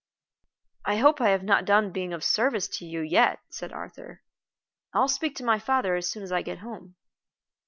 "I hope I have not done being of service to you yet," said Arthur. "I'll speak to my father as soon as I get home."